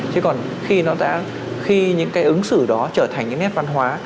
chứ còn khi những cái ứng xử đó trở thành những nét văn hóa